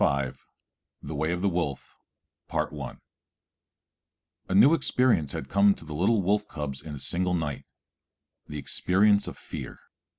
The Way of The Wolf A new experience had come to the little wolf cubs in a single night, the experience of fear.